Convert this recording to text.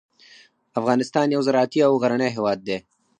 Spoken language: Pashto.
افغانستان یو زراعتي او غرنی هیواد دی.